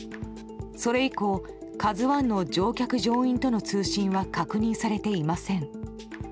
それ以降「ＫＡＺＵ１」の乗客・乗員との通信は確認されていません。